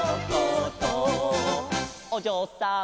「おじょうさん」